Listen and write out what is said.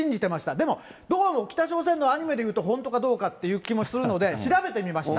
でも、どうも北朝鮮のアニメでいうと本当かどうかっていう気もするので、調べてみました。